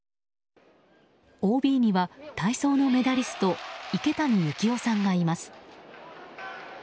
ＯＢには体操のメダリスト池谷幸雄さんがいます。